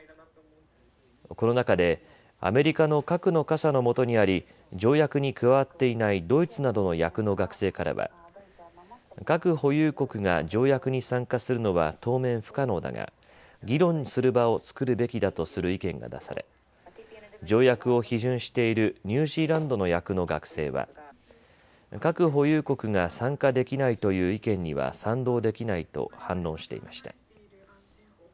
この中でアメリカの核の傘のもとにあり条約に加わっていないドイツなどの役の学生からは核保有国が条約に参加するのは当面不可能だが議論する場を作るべきだとする意見が出され条約を批准しているニュージーランドの役の学生は核保有国が参加できないという意見には賛同できないと反論していました。